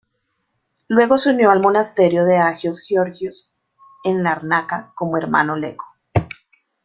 Luego se unió al monasterio de Agios Georgios en Larnaca como hermano lego.